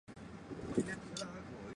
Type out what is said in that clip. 喜欢的艺人是滨崎步。